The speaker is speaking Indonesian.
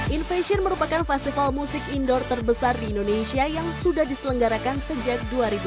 in fashion merupakan festival musik indoor terbesar di indonesia yang sudah diselenggarakan sejak dua ribu dua belas